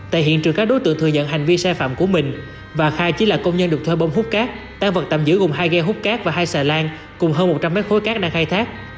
tại hiện trường các đối tượng thừa nhận hành vi xe phạm của mình và khai chí là công nhân được thuê bông hút các tan vật tạm giữ gồm hai ghe hút các và hai xà lan cùng hơn một trăm linh mét khối các đang khai thác